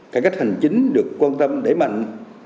cải cách hành chính được quan tâm đẩy mạnh